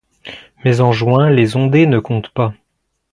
Mais en juin les ondées ne comptent pas.